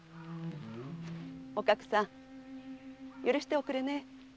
おかくさん許しておくれね。